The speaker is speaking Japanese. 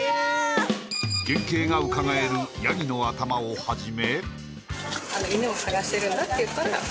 原形がうかがえるヤギの頭をはじめ